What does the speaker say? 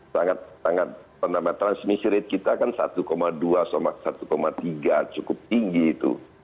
sangat sangat transmisi rate kita kan satu dua sama satu tiga cukup tinggi itu